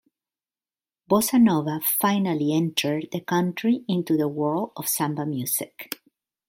Bossa nova finally entered the country into the world of samba music.